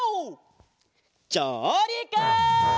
じょうりく！